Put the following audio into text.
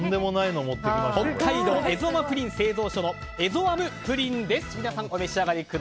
北海道エゾアムプリン製造所のエゾアムプリンです。